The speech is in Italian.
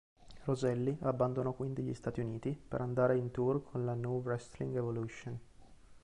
Roselli abbandonò quindi gli Stati Uniti per andare in tour con la Nu-Wrestling Evolution.